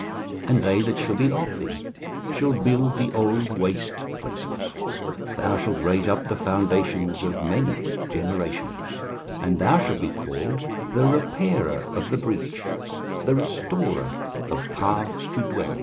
23:058:012 And they that shall be of thee shall build the old waste places: thou shalt raise up the foundations of many generations; and thou shalt be called, The repairer of the breach, The restorer of paths to dwell in.